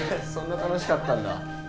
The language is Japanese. そんな楽しかったんだ。